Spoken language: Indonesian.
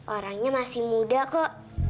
orangnya masih muda kok